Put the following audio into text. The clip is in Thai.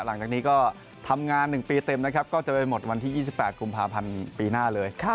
หลังจากนี้ก็ทำงาน๑ปีเต็มนะครับก็จะไปหมดวันที่๒๘กุมภาพันธ์ปีหน้าเลย